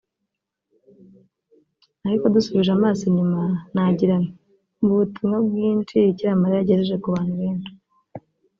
Aliko dusubije amaso inyuma nagira nti " mu butumwa bwinshi Bikira Mariya yagejeje ku bantu benshi